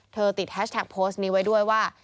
ติดแฮชแท็กโพสต์นี้ไว้ด้วยว่า